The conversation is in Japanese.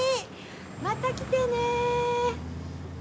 また来てね。